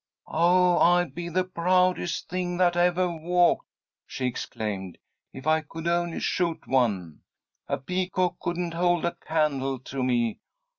"Oh, I'd be the proudest thing that evah walked," she exclaimed, "if I could only shoot one. A peacock couldn't hold a candle to me.